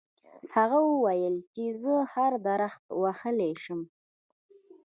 هغه وویل چې زه هر درخت وهلی شم.